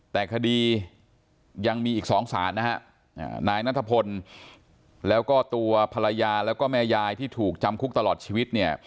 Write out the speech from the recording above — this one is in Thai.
แต่คดียังมีอีก๒ศาลนะฮะนายนัทพลแล้วก็ตัวภรรยาแล้วก็แม่ยายที่ถูกจำคุกตลอดชีวิตเนี่ย